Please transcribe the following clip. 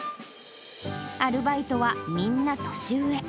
アルバイトはみんな年上。